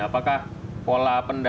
apakah pola pendataan